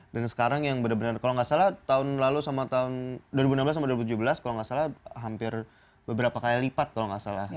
dan sekarang yang benar benar kalau gak salah tahun lalu sama tahun dua ribu enam belas sama dua ribu tujuh belas kalau gak salah hampir beberapa kali lipat kalau gak salah